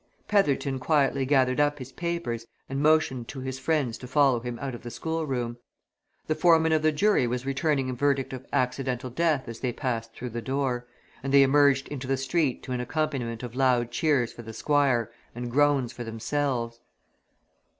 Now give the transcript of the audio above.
Petherton quietly gathered up his papers and motioned to his friends to follow him out of the schoolroom. The foreman of the jury was returning a verdict of accidental death as they passed through the door, and they emerged into the street to an accompaniment of loud cheers for the Squire and groans for themselves.